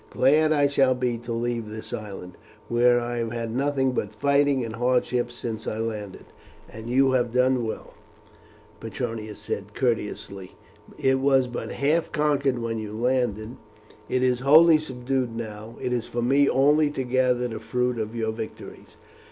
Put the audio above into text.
Glad I shall be to leave this island, where I have had nothing but fighting and hardships since I landed." "And you have done well," Petronius said courteously. "It was but half conquered when you landed, it is wholly subdued now. It is for me only to gather the fruit of your victories."